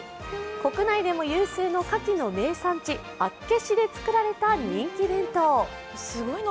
国内でも有数のかきの名産地・厚岸で作られた人気弁当。